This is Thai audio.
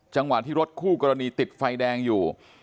จังหวะที่รถคู่กรณีติดไฟแดงอยู่